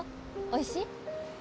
おいしい？